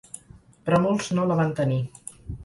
Però molts no la van tenir.